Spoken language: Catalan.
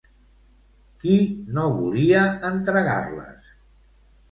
Qui no volia entregar-les?